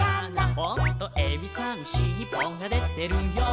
「おっとエビさんしっぽがでてるよ」